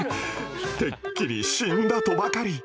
てっきり死んだとばかり。